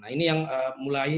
ini yang mulai